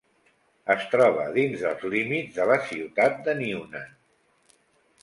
Es troba dins dels límits de la ciutat de Newnan.